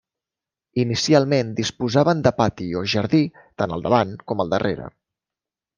Inicialment disposaven de pati o jardí tant al davant com al darrere.